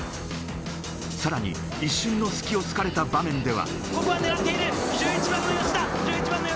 さらに一瞬の隙を突かれた場面では。